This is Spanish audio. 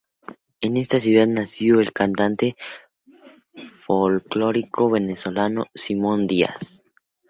En esta ciudad nació el cantante folclórico venezolano Simón Díaz.